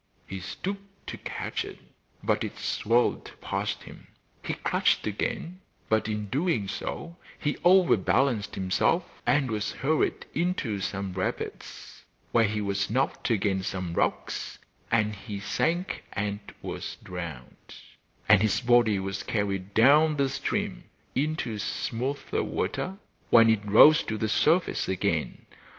He stooped to catch it, but it swirled past him. He clutched again; but in doing so he over balanced himself and was hurried into some rapids, where he was knocked against some rocks, and he sank and was drowned, and his body was carried down the stream into smoother water when it rose to the surface again.